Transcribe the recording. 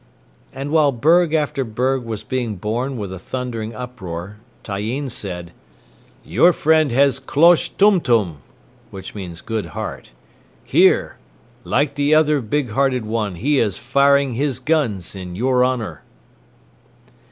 And while berg after berg was being born with thundering uproar, Tyeen said, "Your friend has klosh tumtum (good heart). Hear! Like the other big hearted one he is firing his guns in your honor."